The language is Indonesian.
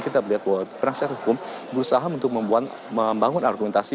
kita bisa lihat bahwa perangsa hukum berusaha untuk membangun argumentasi